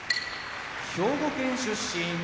兵庫県出身